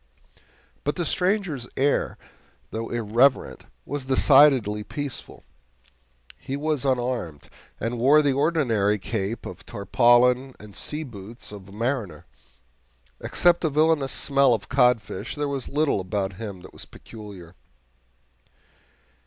But the stranger's air, though irreverent, was decidedly peaceful. He was unarmed, and wore the ordinary cape of tarpaulin and sea boots of a mariner. Except a villainous smell of codfish, there was little about him that was peculiar.